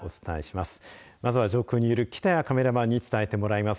まずは上空にいる北谷カメラマンに伝えてもらいます。